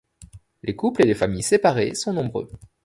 Les couples et les familles séparées sont nombreux.